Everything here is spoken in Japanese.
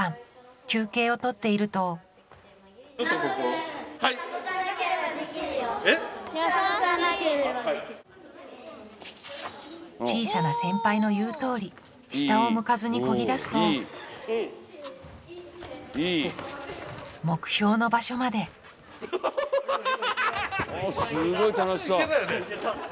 休憩をとっていると小さな先輩の言うとおり下を向かずにこぎだすと目標の場所までうおぉハハハハハ！